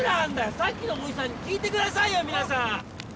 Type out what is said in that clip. さっきのおじさんに聞いてくださいよ皆さん！